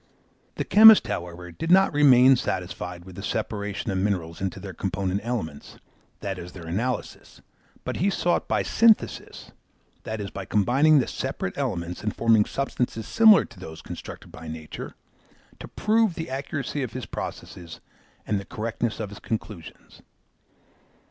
The chemist, however, did not remain satisfied with the separation of minerals into their component elements, i.e. their analysis; but he sought by synthesis, i.e. by combining the separate elements and forming substances similar to those constructed by nature, to prove the accuracy of his processes and the correctness of his conclusions.